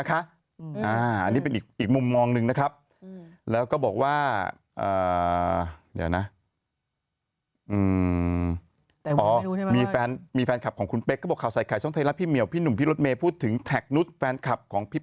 ก่อเป็นกรรมเพราะเราก็ทำอยู่เรื่อยแต่จะเล็กไง